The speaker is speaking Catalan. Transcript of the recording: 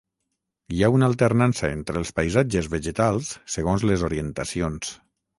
Hi ha una alternança entre els paisatges vegetals segons les orientacions.